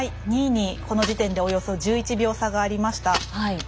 ２位にこの時点で１１秒差がありました。